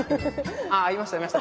あいましたいました。